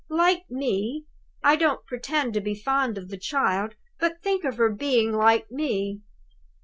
Like me! I don't pretend to be fond of the child; but think of her being like me!"